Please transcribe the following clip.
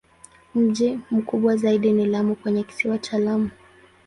Mji mkubwa zaidi ni Lamu kwenye Kisiwa cha Lamu.